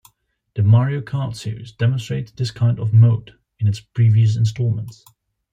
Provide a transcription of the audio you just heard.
The "Mario Kart" series demonstrates this kind of mode in its previous installments.